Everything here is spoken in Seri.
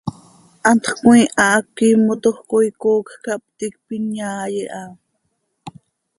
Hantx cömiiha hac quiimotoj coi coocj cah ptiicp inyai iiha.